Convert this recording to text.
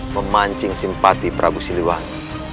memancing simpati prabu siliwang